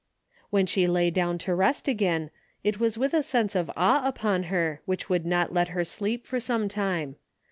When she lay down to rest again, it was with a sense of awe upon her which would not let her sleep for some time.